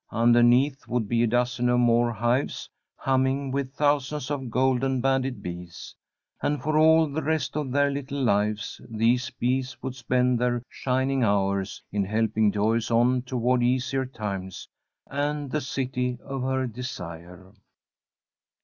Underneath would be a dozen or more hives, humming with thousands of golden banded bees. And for all the rest of their little lives these bees would spend their "shining hours" in helping Joyce on toward easier times and the City of her Desire.